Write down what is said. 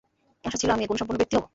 আশা ছিল আমি এ গুণসম্পন্ন ব্যক্তি হব।